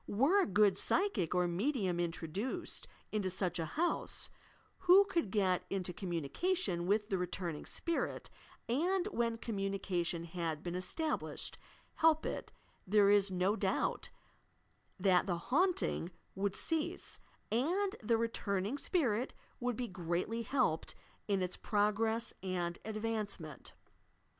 Were a good psychic or medium introduced into such a house, who could get into communication with the returning spirit, and, when communication had been established, help it, — there is no doubt that the "haunting" would cease and that the returning spirit would be greatly helped in its progress and advancement.